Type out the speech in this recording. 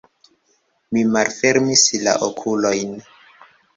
Mi malfermis la okulojn.